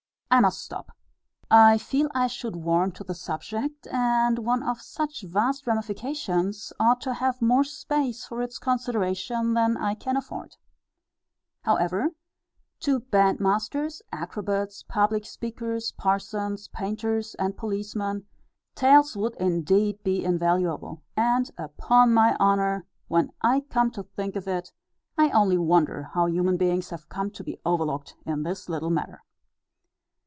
I must stop. I feel I should warm to the subject; and one of such vast ramifications ought to have more space for its consideration, than I can afford. However, to band masters, acrobats, public speakers, parsons, painters, and policemen, tails would indeed be invaluable; and, upon my honour, when I come to think of it, I only wonder how human beings, have come to be overlooked in this little matter.